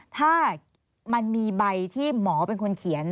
ถ้ามันมีใบที่หมอเป็นคนเขียน